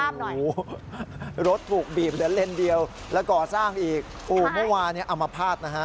เมื่อวานี่เอามาพาดนะฮะ